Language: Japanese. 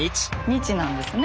「日」なんですね